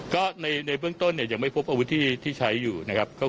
ก็ในฝนต้นไม่พบอาวุธที่ใช้อยู่นะครับ